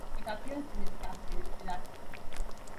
It appears in its capital Tiraspol.